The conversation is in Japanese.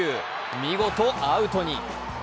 見事、アウトに。